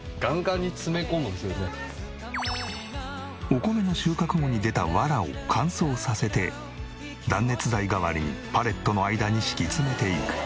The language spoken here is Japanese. お米の収穫後に出たわらを乾燥させて断熱材代わりにパレットの間に敷き詰めていく。